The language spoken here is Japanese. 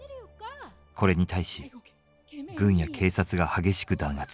これに対し軍や警察が激しく弾圧。